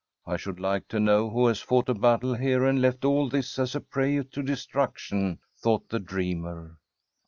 I should like to know who has fought a battle here and left all this as a prey to destruction,' thought the dreamer.